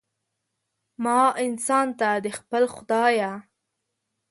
ما انسان ته، د خپل خدایه